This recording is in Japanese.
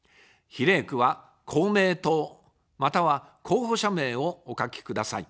比例区は公明党または候補者名をお書きください。